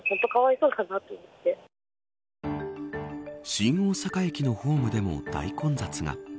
新大阪駅のホームでも大混雑が。